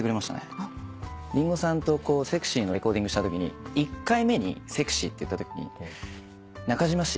林檎さんとｓｅｘｙのレコーディングしたときに１回目にｓｅｘｙって言ったときに「中島氏